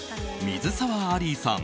水沢アリーさん